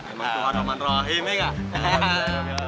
emang tuhan rahman rahim ya kak